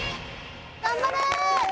頑張れ！